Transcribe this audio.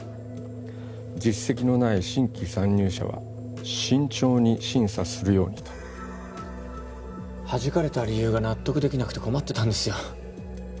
実績のない新規参入者は慎重に審査するようにとはじかれた理由が納得できなくて困ってたんですよ